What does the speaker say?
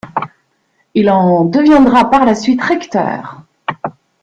Il en deviendra par la suite recteur.